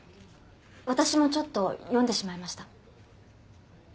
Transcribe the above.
私もちょっと読んでしまいました。